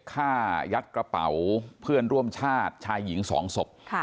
ฆ่ายัดกระเป๋าเพื่อนร่วมชาติชายหญิง๒ศพ